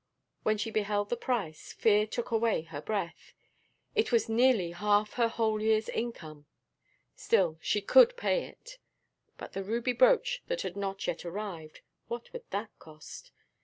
When she beheld the price, fear took away her breath it was nearly half her whole year's income; still she could pay it. But the ruby brooch that had not yet arrived what would that cost?